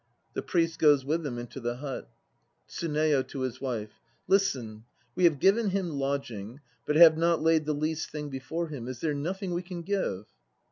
(The PRIEST goes with them into the hut.) TSUNEYO (to his WIFE). Listen. We have given him lodging, but have not laid the least thing before him. Is there nothing we can give?